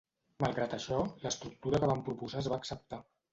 Malgrat això, l'estructura que van proposar es va acceptar.